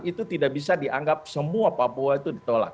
itu tidak bisa dianggap semua papua itu ditolak